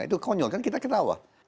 itu konyol kan kita ketawa